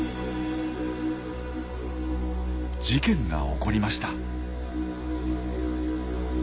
事件が起こりました。